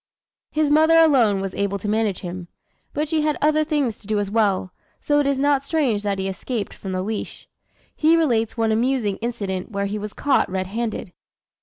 His mother alone was able to manage him, but she had other things to do as well; so it is not strange that he escaped from the leash. He relates one amusing incident where he was caught red handed.